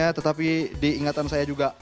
ya tetapi diingatan saya juga